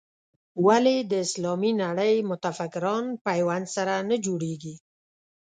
ولې د اسلامي نړۍ متفکران پیوند سره نه جوړوي.